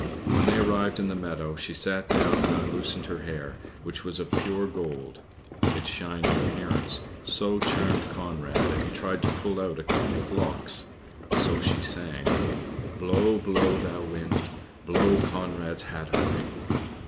When they arrived in the meadow, she sat down and unloosened her hair, which was of pure gold. Its shining appearance so charmed Conrad that he tried to pull out a couple of locks. So she sang: "Blow, blow, thou wind, Blow Conrad's hat away."